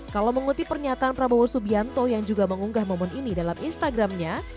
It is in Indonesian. kalau mengutip pernyataan prabowo subianto yang juga mengunggah momen ini dalam instagramnya